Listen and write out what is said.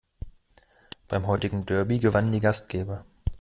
Beim heutigen Derby gewannen die Gastgeber.